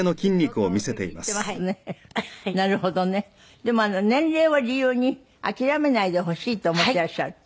でも年齢を理由に諦めないでほしいと思ってらっしゃって。